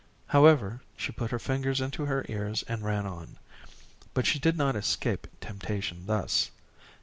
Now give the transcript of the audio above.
However, she put her fingers into her ears, and ran on. But, she did not escape temptation thus.